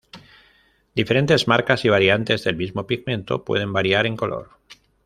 Diferentes marcas y variantes del mismo pigmento pueden variar en color.